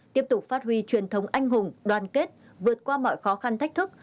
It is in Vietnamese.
tiếp tục phát huy truyền thống anh hùng đoàn kết vượt qua mọi khó khăn thách thức